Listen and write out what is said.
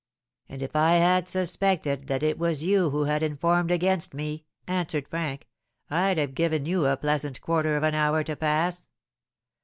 "And if I had suspected that it was you who had informed against me," answered Frank, "I'd have given you a pleasant quarter of an hour to pass.